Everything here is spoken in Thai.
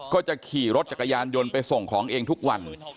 ก็จะขี่รถจักรยานยนต์ไปส่งของเองทุกวัน